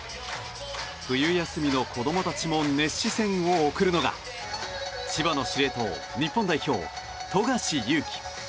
冬休みの子供たちも熱視線を送るのが千葉の司令塔、日本代表富樫勇樹。